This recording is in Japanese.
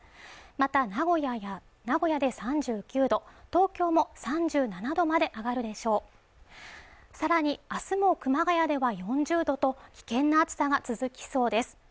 また名古屋で３９度東京も３７度まで上がるでしょうさらにあすも熊谷では４０度と危険な暑さが続きそうです